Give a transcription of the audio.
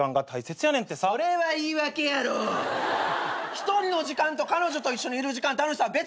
一人の時間と彼女と一緒にいる時間の楽しさは別もん。